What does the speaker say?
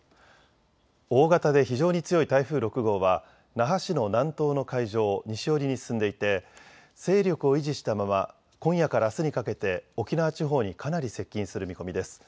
大型で非常に強い台風６号は那覇市の南東の海上を西寄りに進んでいて勢力を維持したまま今夜からあすにかけて沖縄地方にかなり接近する見込みです。